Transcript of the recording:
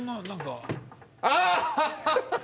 あっ！